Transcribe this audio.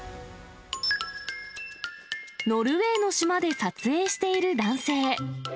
ノルウェーの島で撮影している男性。